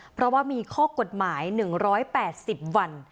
เพราะว่ามีข้อกฎหมาย๑๘๐วัน